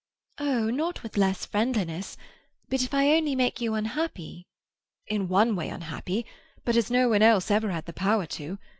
"Oh, not with less friendliness. But if I only make you unhappy—" "In one way unhappy, but as no one else ever had the power to.